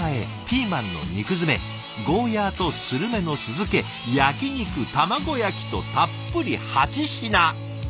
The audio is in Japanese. ピーマンの肉詰めゴーヤーとするめの酢漬け焼き肉卵焼きとたっぷり８品。